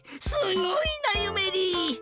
すごいなゆめり！